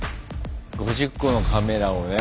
５０個のカメラをね。